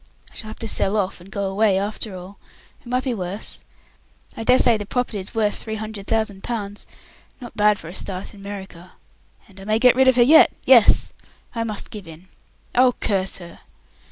I shall have to sell off and go away after all. It might be worse. I dare say the property's worth three hundred thousand pounds. Not bad for a start in America. And I may get rid of her yet. Yes. I must give in. Oh, curse her!